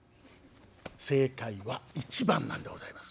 正解は１番なんでございます。